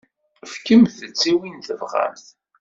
Fkemt-tt i win i tebɣamt.